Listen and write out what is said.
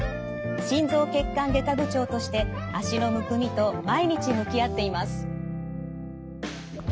心臓血管外科部長として脚のむくみと毎日向き合っています。